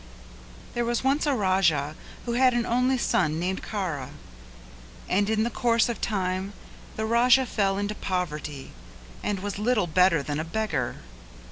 There was once a Raja who had an only son named Kara and in the course of time the Raja fell into poverty and was little better than a beggar.